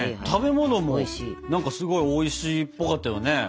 食べ物もすごいおいしいっぽかったよね。